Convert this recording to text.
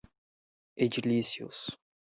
edilícios